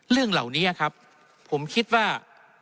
เรื่องเหล่านี้ครับผมคิดว่า